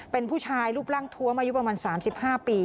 เป็นผู้ชายรูปร่างทวมอายุประมาณ๓๕ปี